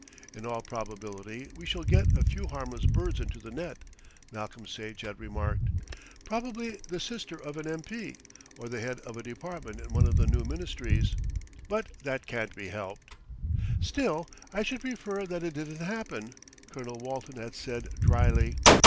"In all probability we shall get a few harmless birds into the net," Malcolm Sage had remarked. "Probably the sister of an M.P., or the head of a department in one of the new Ministries; but that can't be helped." "Still I should prefer that it didn't happen," Colonel Walton had said drily.